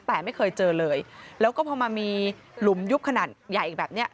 แต่ไม่เคยเจอเลยแล้วก็พอมามีหลุมยุบขนาดใหญ่แบบเนี้ย